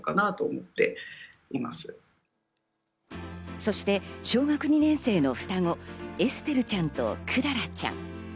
そして小学２年生の双子、エステルちゃんとクララちゃん。